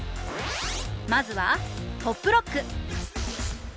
まずはトップロック！